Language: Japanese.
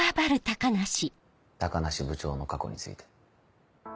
高梨部長の過去について。